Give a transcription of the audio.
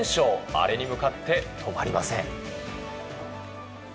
アレに向かって止まりません。